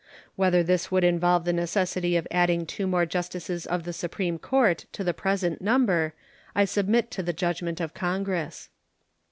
Whether this would involve the necessity of adding two more justices of the Supreme Court to the present number I submit to the judgment of Congress.